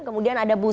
kemudian ada busa